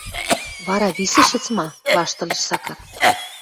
— Вара, висӹшӹц ма? — ваштылеш Сакар.